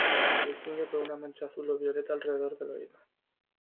Se distingue por una mancha azul o violeta alrededor del oído.